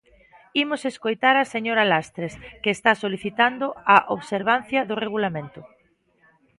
Imos escoitar a señora Lastres, que está solicitando a observancia do Regulamento.